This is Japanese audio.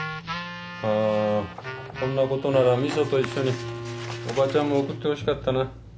あこんなことなら味噌と一緒に叔母ちゃんも送ってほしかったな。